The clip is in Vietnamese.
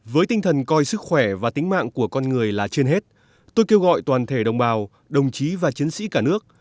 với tinh thần coi sức khỏe và tính mạng của con người là trên hết tôi kêu gọi toàn thể đồng bào đồng chí và chiến sĩ cả nước